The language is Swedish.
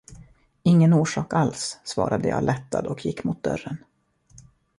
Ingen orsak alls, svarade jag lättad och gick mot dörren.